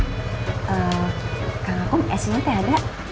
eee kang akum acehnya ada